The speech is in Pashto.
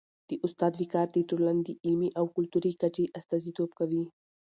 د استاد وقار د ټولني د علمي او کلتوري کچي استازیتوب کوي.